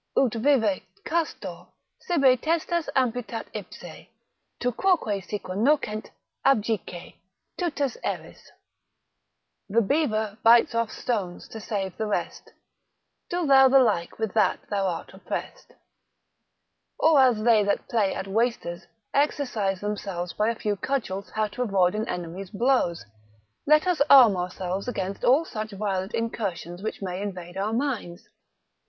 Ut vivat castor, sibi testes amputat ipse; Tu quoque siqua nocent, abjice, tutus eris. The beaver bites off's stones to save the rest: Do thou the like with that thou art opprest. Or as they that play at wasters, exercise themselves by a few cudgels how to avoid an enemy's blows: let us arm ourselves against all such violent incursions, which may invade our minds.